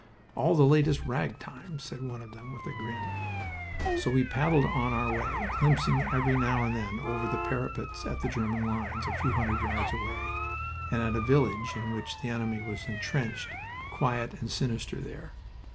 "All the latest ragtime," said one of them with a grin. So we paddled on our way, glimpsing every now and then over the parapets at the German lines a few hundred yards away, and at a village in which the enemy was intrenched, quiet and sinister there.